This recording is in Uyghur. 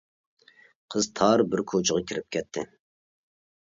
قىز تار بىر كوچىغا كىرىپ كەتتى.